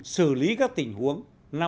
bốn xử lý các tình huống